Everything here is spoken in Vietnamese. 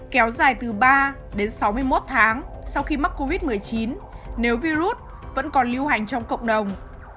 kéo dài từ ba đến sáu mươi một tháng sau khi mắc covid một mươi chín nếu virus vẫn còn lưu hành trong cộng đồng